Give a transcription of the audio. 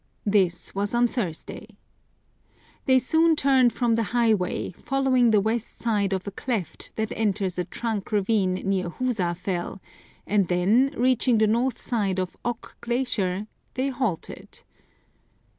This was on Thursday. They soon turned from the highway, following the west side of a cleft that enters a trunk ravine near Hiisafell,^ and then, reaching the north side of Ok glacier, they halted.